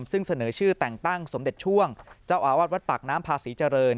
ซึ่งเสนอชื่อแต่งตั้งสมเด็จช่วงเจ้าอาวาสวัดปากน้ำพาศรีเจริญ